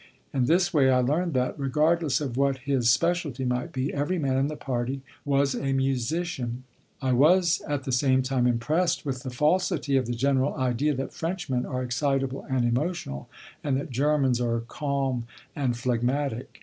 In this way, I learned that, regardless of what his specialty might be, every man in the party was a musician. I was at the same time impressed with the falsity of the general idea that Frenchmen are excitable and emotional, and that Germans are calm and phlegmatic.